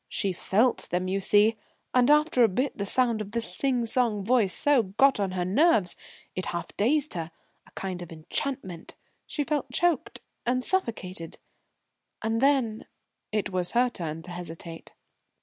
She felt them, you see. And after a bit the sound of this sing song voice so got on her nerves, it half dazed her a kind of enchantment she felt choked and suffocated. And then " It was her turn to hesitate.